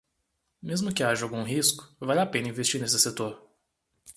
Mesmo que haja algum risco, vale a pena investir nesse setor.